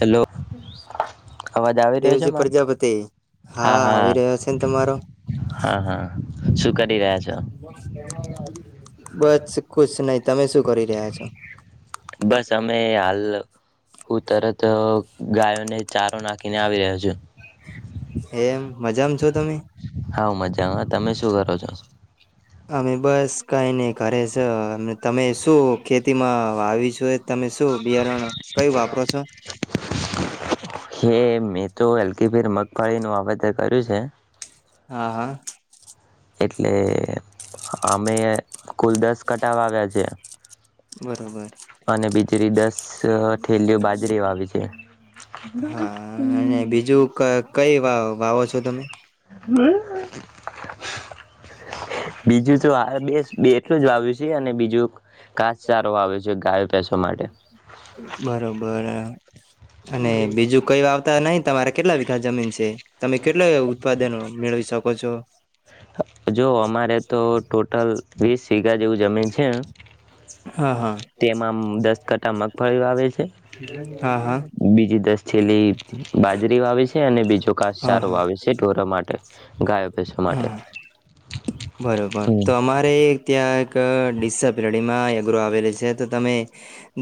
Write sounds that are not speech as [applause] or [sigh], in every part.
Hello અવાજ આવી રહ્યો છે દેવજી મારો પ્રજાપતિ હા આવી રહ્યો છે ને તમારો હા હા શું કરી રહ્યા છો બસ કુશ નય તમે શું કરી રહ્યા છો બસ અમે હાલ તરત ગાયોને ચારો નાખીને આવી રહ્યો જ એમ મજામાં છો તમે હા મજામાં તમે શું કરો છો અમે બસ કંઈ નહી કરરે છે અને તમે શું ખેતીમાં આવી છો તમે શું બિયારણ કયું વાપરો છો [inaudible] મેં તો હકી ફેર મગફાળી નું વાવેતર કર્યું લ છે હા હા એટલે અમે કુલ દસ કટાાવ આવ્યા છે બરોબર અને બીજેરી દસ થેલીઓ બાજરી આવી છે હા અને બીજું કઈ વાવો છો તમે બીજું તો આ બે બે એટલું જ વાવ્યું છે અને બીજું ઘાસચારો વાવ્યો છે ગાયો ભેંસો માટે બરોબર અને બીજું કઈ વાત આવતા નહી તમારે કેટલા વીઘાસ જમીન છે તમે કેટલા ઉત્પાદનો મેળવી શકો છો જો અમારે તો ટોટલ વીસ સીગા જેવું જમીન છે હા હા તેમાં દસ કટા મગફળી વા છે હા હા બીજી દસ છેીલી બાજરી વાવે છે અને બીજો હા કાસચારો હા વા છે ઢોરો માટે ગાયો બેસવા હા માટે બરોબર તો અમારે ત્યાં એક ડડીસપ્લડીમાં યઘ્રરો આવેલી છે તો તમે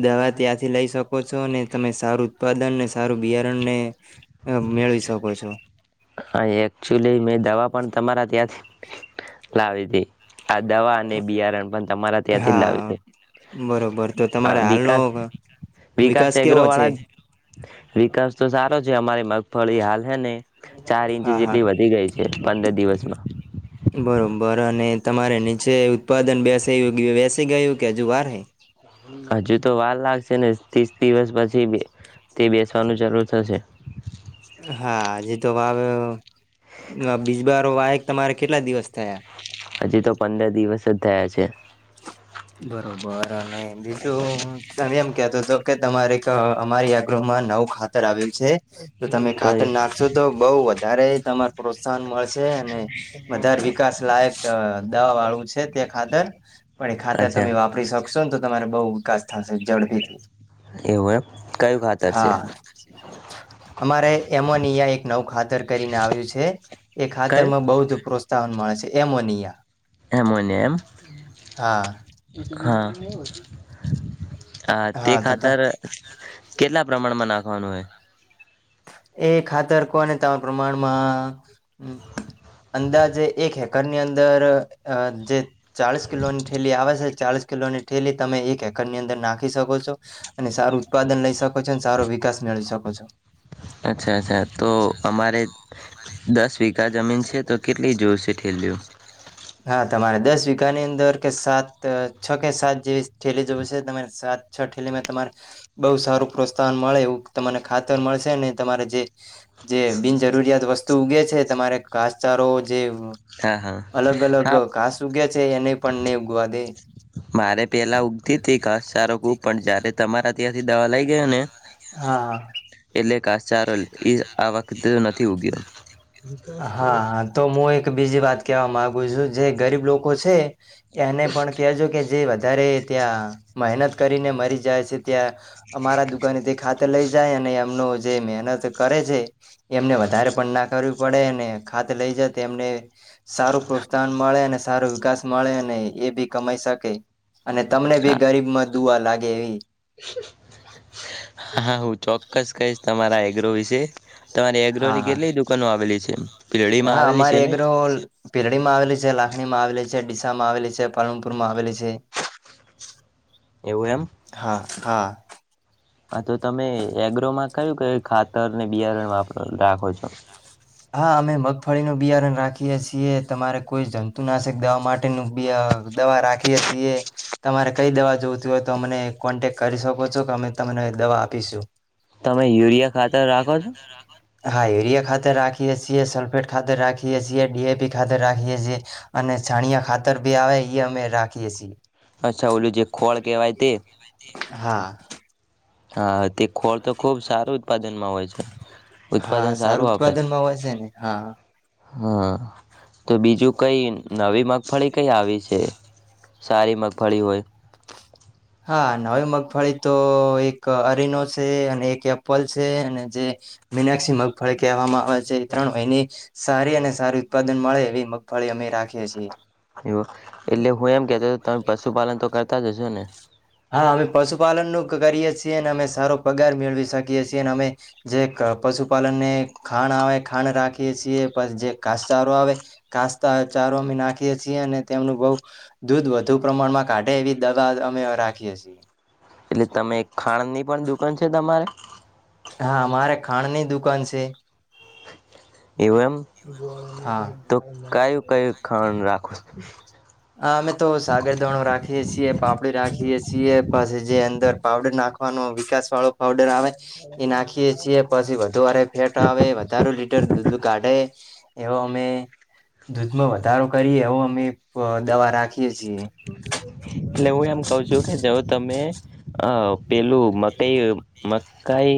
દવા ત્યાંથી લઈ શકો છો અને તમે સારું ઉત્પાદનને સારું બિયારણને મેળવી શકો છો હા એકચુલી મેં દવા પણ તમારા ત્યાંથી લાવી હતી આ દવા અને બિયારણ પણ તમારા ત્યાંથી જ લાવી હા હતી બરોબર તો તમારે હ વિકાસ એગ્રો છે વાળા જ વિકાસ તો સારો જે અમારી મગફળી હાલ હૈ ને ચાર ઇંચ હા હા જેટલી વધી ગઈ છે પંદર દિવસમાં બરોબર અને તમારે નીચે ઉત્પાદન બેસે બેસી ગયું કે હજુ વાર હજીુ તો વાર લાગશે ને ત્રીસ દિવસ પછી તે બેસવાનું ચરૂુ થશે હાજ તો વાવે હ બીજ બર વાયક તમારે કેટલા દિવસ થયા હજી તો પંદર દિવસ જ તેજ બરોબર અને બીજું તમે એમ કતો તો કે તમારે અમારી આગૃહમાં નવુ ખાતર આવેલ તો તમે ખાતર કયું નાખશો તો બહ વધારે તમારે પ્રોત્સાહન મળશે અને વધારે વિકાસ લાયક દવા વાળું છે તે ખાતર પડે આ અચ્છા તમે વાપરી શકશો ને તમારે બોવ વિકાસ થશે ઝડપીથી એવું એમ કયું ખાતર છે હા અમારે એમોનિયા એક નવું ખાતર કરીને આવ્યું છે એ કયું ખાતરમાં બોવજ પ્રોત્સાહન મળે છે. છે એમોનિયા એમોને એમ હા હા હા તે ખાતર કેટલા પ્રમાણમાં નાખ ખવાનુ હે એ ખાતર કોને તણ પ્રમાણમાં હમ અંદાજે એક હેક ઘરની અંદર જે ચાલીસ કિલોની ઠેલી આવે છે. ચાલીસ કિલોની ઠેલી તમે એક હેકરની અંદર નાખી શકો છો અને સારું ઉત્પાદન લઈ શકો છો અને સારો વિકાસ મેળવી શકો છો. અચ્છા અચ્છા તો અમારે દસ વીઘા જમીન છે તો કેટલી જોશે થેલીઓ હા તમારે દસ વીઘાની અંદર કે સાત છ કે સાત જેવી થેલી જોશે તમારે સાત છ ઠેલીમાં તમારે બઉુ સારું પ્રોત્સાહન મળે એવું તમને ખાતર મળશે ને તમારે જે જે બિનજરૂરિયાત વસ તુ ઉગે છે તમારે ઘાસચારો જે હા હા અલગ અલગ હા ઘાસ ઉગયા છે એને પંને ઉગવા દે મારે પેલા ઉગતી તી ઘાસ ચારો ખૂબ પણ જયારે તમારા ત્યાથી દવા લઈ ગયોને હા એટલે ઘાસચારો લે એ આ વખતે નથી ઉગ્યો કેવા માંગુ છું જે ગરીબ લોકો છે. એને પણ કહેજો કે જે વાત વધારે ત્યાં મહેનત કરીને મરી જાય છે ત્યાં અમારા દુ ગણિત ખાતે લઈ જાય અને એમનું જે મહેનત કરે છે. એમને વધારે પણ ના કર્યું પડે અને ખાત લઈ જ એમને સારું પ્રોત્સાહન મળે અને સારો વિકાસ મળે અને એ બી કમાઈ શકે. અને તમને બી હા ગરીબ માં દુઆ લાગે. ગેવી [inaudible] હા હું ચોક્કસ કહીશ તમારા એગ્રો વિશે તમારી હા એગ્રોની કેટલી દુકાનો આવેલી છે હા પીરડીમાં હા આવેલી છે ને અમારેગ્ર પીરડી માં આવેલી છે લાખણી માં આવેલી છે. માં આવેલી છે પાલનપુર માં આવેલી છે. એવું એમ. હા હા. હા તો તમે એગ્રોમાં [unintelligible] કે ખાતર ને બિયારણપ રાખો છો. હા અમે મગફળીનું બિયારણ રાખીએ છીએ તમારે કોઈ જંતુનાશક દવા માટેનું બ દવા રાખીએ છીએ તમારે કઈ દવા જોવતી હોય તો અને કોન્ટેક કરી શકો છો કે અમે તમને દવા આપીશું. તમે યુરિયા ખાતર રાખો છો. હા એરીયા ખાતે રાખે રાખીએ છીએ સલ્ફેટ ખાતર રાખીએ છીએ ડીએપી ખાતર રાખીએ છીએ અને છાણિયા ખાતર બી આવે એ અમે રાખીએ છીએ. અચ્છા ઓલું જે ખોળ કેવાય તે હા. હા તે ખોળ તો ખુબ સારું ઉત્પાદનમાં હોય છે હા ઉત્પાદન સારું આપે. ઉત્પાદનમાં હોય છે ને હા હા તો બીજું કઈ નવી મગફળી કઈ આવી છે સારી મગફળી હોય. હા નવી મગફળી તો એક અરીનો છે અને એક એપલ છે અને જે મીનેક્ષી મગફળી કહેવામાં જે ત્રણ હોયને સારી અને સારી ઉત્પાદન મળે એવી મગફળી અમે રાખીએ છીએ. [inaudible] એટલે હું એમ કેતો તમે પશુપાલન તો કરતા જ હશો ને. હા અમે પશુપાલન નું કરીએ છીએ અમે સારો પગાર મેળવી શકીએ છીએ અમે જે પશુપાલનને ખાંણ આવે ખાંણ રાખીએ છીએ પછી જે કાસચારો આવે કાસ ચારો અમે નાખીએ છીએ અને તેમનું બઉ દૂધ વધુ પ્રમાણમાં કાઢે એવી દવા અમે રાખીએ. [inaudible] એટલે તમે ખાણ ની પણ દુકાન છે તમારે હા અમારે ખાંડ ની દુકાન છે. તે એમ હા તો કયું કયું ખંડ રાખો. [inaudible] હ અમે તો સાગર ધણો રાખીએ છીએ પાપડી રાખીએ છીએ પછી જે અંદર પાવડર નાખવાનો વિકાસ વાળો પાવડર આવે એ નાખીએ છીએ પછી વધુરે ફેટ આવે વધાર લીટર દૂધ કાઢે એવો અમે દૂધમાં વધારો કરીએ એવું અમે દવા રાખીએ છીએ એટલે હું એમ કઉ છું કે જ તમે આ પેલું મકાઈ મકાઈ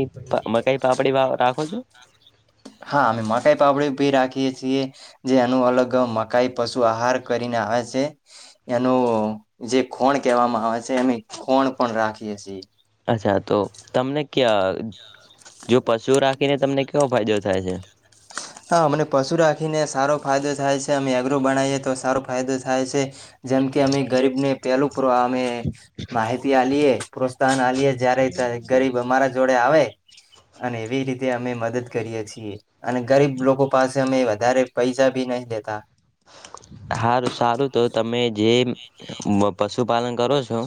મકાઈ પાપડી રાખો છો હા અમે મકાઈ પાપડી ભી રાખીએ છીએ જે એનું અલગ મકાઈ પશુ આહાર કરીને આવે છે એનું જે ખોણ કહેવામાં આવે છે એમે ખોણ પણ રાખીએ છીએ અચ્છા તો તમને ક્યા જો પશુઓ રાખે ને તમને કેવો ફાયદો થાય છે હા અમને પશુ રાખીને સારો ફાયદો થાય છે અમે એગ્રો બનાવીએ તો સારો ફાયદો થાય છે જેમ કે અમે ગરીબને પહેલું માહિતી આલી એ પરસ્ પોસાતન આલીએ જય્યારે ગરીબ અમારા જોડે આવે અને એવી રીતે અમે મદદ કરીએ છીએ અને ગરીબ લોકો પાસે અમે વધારે પૈસા ભી નહી લેતા હાર સારું તો તમે જે પશુ પાલન કરો છો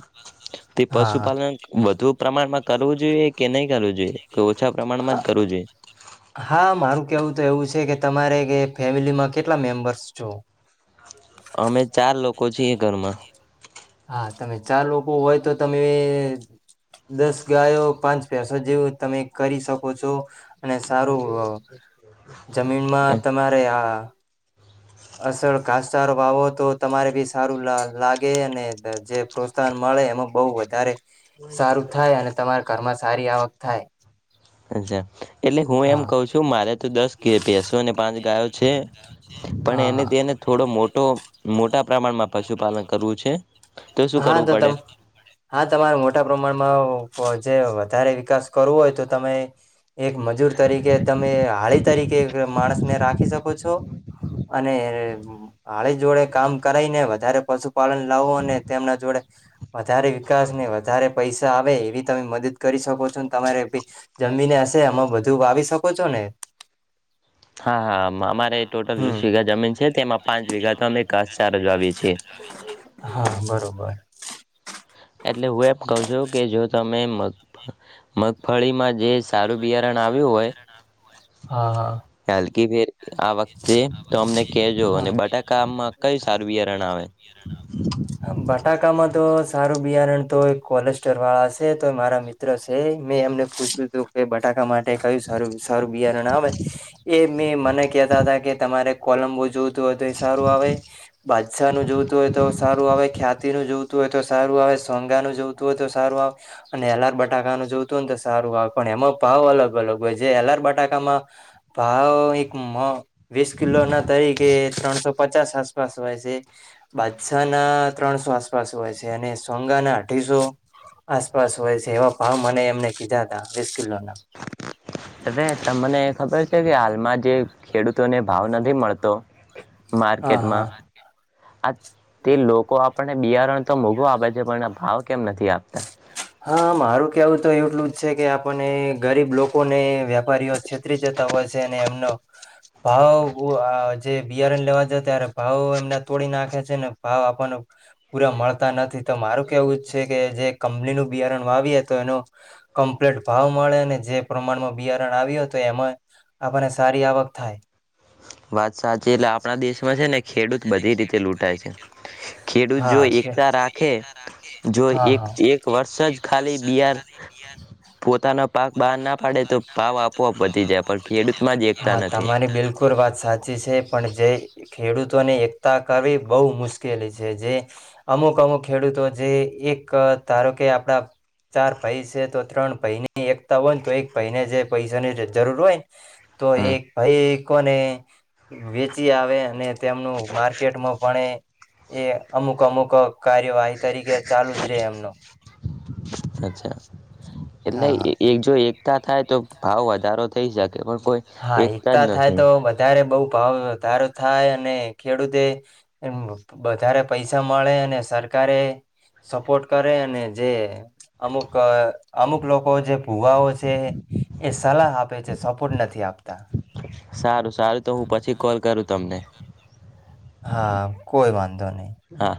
તે હા હ પશુપાલન વધુ પ્રમાણમાં કરવું જોઈએ કે નહીં કરવું જોઈએ કે ઓછા પ્રમાણમાં જ કરવું જોઈએ હા મારું કેવું તો એવું છે કે તમારે કે ફેમિલીમાં કેટલા મેમ્બર્સ છો અમે ચાર લોકો છીએ ઘરમાં હા તમે ચાર લોકો હોય તો તમે દસ ગાયો પાંચ પેસો જેવું તમે કરી શકો છો અને સારું જમીનમાં તમારે આ અસલ ઘાસચારો વાવો તો તમારે બી સારું લાગે અને જે પ્રોત્સાહન મળે એમાં બહુ વધારે સારું થાય અને તમારા ઘરમાં સારી આવક થાય અચ્છા એટલે હું એમ હા કઉ છું મારે તો દસ ભેસો અને પાંચ ગાયો છે પણ એને હા હા તેને થોડો મોટો મોટા પ્રમાણમાં પશુપાલન કરવું છે શું હા કરવું તો પડે તમ હા ત મોટા પ્રમાણમાં જે વધારે વિકાસ કરવો હોય તો તમે એક મજૂર તરીકે તમે હાળી તરીકે માણસને રાખી શકો છો અને હાળી જોડે કામ કરાઈ ને વધારે પશુપાલન લાવો અને તેમના જોડે વધારે વિકાસ ને વધારે પૈસા આવે એવી તમે મદદ કરી શકો છોને તમારે જમીને હશે અમાં બધું વાવી શકો છો ને હા હા અમારે ટોટલ વીસ વીઘા જમીન છે તેમાં પાંચ વિીઘા તો અમે ઘાસચારજ આવી છી હા બરોબર એટલે હું એમ કઉ છું કે જો તમે મગફળી માં હલકી ફેર આ વખતે તો અમને કહેજો અને બટાકામાં કયું સારું બિયારણ આવે બટાકામાં તો સારું બાર તો કોલેસ્ટર વાળા છે તો મારા મિત્ર છે મેં એમને પૂછ્યું બટાકા માટે કયું સરારું બિયારણ આવે એ મે મને કહેતા હતા કે તમારે કોલમબો જો હોય તો એ સારું આવે બાદશા નું જોવતું હોય તો સારું આવે ખ્યાતિ નું જોતું ું હોય તો સારું આવે સોંગા નું જોતું હોય તો સારું આવે અને હલાર બટાકાનુંું જોતું હોય તો સારું આવે પણ એમાં ભાવ અલગ અલગ હોય જે એલાર બટાકામાં ભાવ એક વીસ કિલો ના તરીકે ત્રણસો પચાસ આસપાસ હોય છે બાદછા ના ત્રણસો આસપાસ હોય છે અને સોંગાના અઢીસો આસપાસ હોય છે એવા ભાવ મને એમને કીધા હતા [inaudible] ત તમને ખબર કે હાલમાં જે ખેડૂતોને ભાવ નથી મળતો હા હા માર્કેટમાં આ તે લોકો આપને બિયારણ તો મોઘો આ બાજે પણના ભાવ કેમ નથી આપતા હા મારું કેવું તો એટલું જ છે કે આપને ગરીબ લોકોને વેપારીઓ છેતરી જતા હોય છે અને એમનો ભાવ જે બિયારણ લેવા જ ત્યારે ભાવ એમના તોડી નાખે છે ને ભાવ આપણને પૂરા મળતા નથી તો મારું કેવું જ છે કે જે કંપનીનુંું બિયારણ વાવીએ તો એનો કમ્પ્લીટ ભાવ મળે અને જે પ્રમાણમાં બિયારણ આવ્યું તો એમાં આપણને સારી આવક થાય વાત સાચી એટલે આપણા દેશમાં છે ને ખેડૂત બધી રીતે લૂંટાય છે ખેડૂત જો હા છે. એકતા રાખે જો એક [inaudible] વર્ષ જ ખાલી બિયાર પોતાનો પાક બહાર ના પાડે તો ભાવ આપોઆપ વધી જાય પણ ખેડૂતમાં જ એકતા નથી ઉપર વાત સાચી છે પણ જે ખેડૂતોને એકતા કરવી બહુ મુશ્કેલી છે જે અમુક અમુક ખેડૂતો જે એક ધારો કે આપડા ચાર ભાઈ છે તો ત્રણ ભાઈની એકતા હોય ને તો એક ભાઈને જે પૈસાની જરૂર હોય ને તો હમ એક ભાઈ ને વેચી આવે અને તેમનું માર્કેટમાં પણ એ અમુક અમુક કાર્યવાહી તરીકે ચાલુ જ રહે [inaudible] સાચ્છા એટલે હા હા એક જો એક થાય તો ભાવ વધારો થઈ શકે પણ કોઈ હા જ એકતા થાય નથી તો વધારે બઉ ભાવ વધારો થાય અને ખેડૂતે વધારે પૈસા મળે અને સરકારે સપોર્ટ કરે અને જે અમુક અમુક લોકો જે ભુવાઓ છે એ સલાહ આપે છે પ નથી ત આપ આપતા સારું સારું તો હું પછી કોલ કરું તમને. હા કોઈ વાંધો નહી. હા